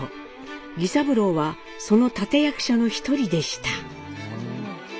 儀三郎はその立て役者の一人でした。